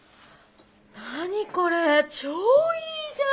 何これ超いいじゃん！